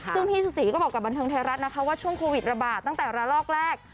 ซึ่งพี่สุศรีก็บอกกับบันเทิงไทยรัฐนะคะว่าช่วงโควิดระบาดตั้งแต่ระลอกแรก